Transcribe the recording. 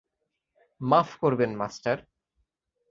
মাফ করবেন, মাস্টার।